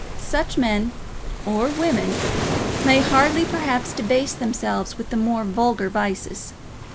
Such men, or women, may hardly, perhaps, debase themselves with the more vulgar vices.